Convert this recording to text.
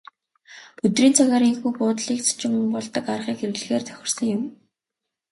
Өдрийн цагаар ийнхүү буудлын зочин болдог аргыг хэрэглэхээр тохирсон юм.